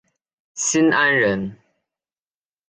新安人。